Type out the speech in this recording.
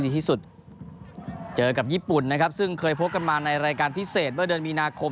พบกันมาในรายการพิเศษเมื่อเดือนมีนาคม